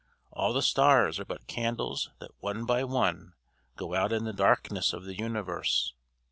All the stars are but candles that one by one go out in the darkness of the universe.